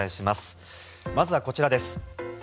まずはこちらです。